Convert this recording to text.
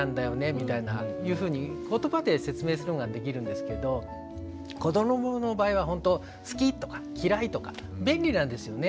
みたいないうふうに言葉で説明することができるんですけど子どもの場合はほんと「好き」とか「嫌い」とか便利なんですよね。